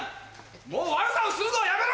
もう悪さをするのはやめろ！